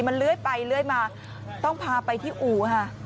มันเลื้อยไปเลื่อยมาต้องพาไปที่อู่ค่ะ